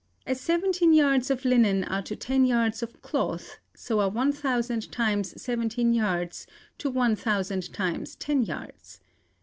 "As seventeen yards of linen are to ten yards of cloth, so are 1,000 times seventeen yards to 1,000 times ten yards.